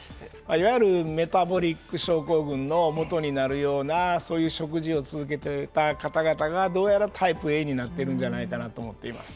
いわゆるメタボリック症候群のもとになるようなそういう食事を続けてきた方々がどうやらタイプＡになっているんじゃないかなと思っています。